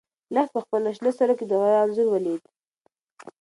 لښتې په خپلو شنه سترګو کې د غره انځور ولید.